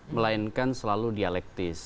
melainkan selalu dialektis